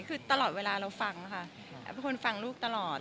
คือตลอดเวลาเราฟังค่ะคนฟังลูกตลอด